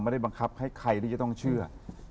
ไม่ได้บังคับให้ใครที่จะต้องเชื่อ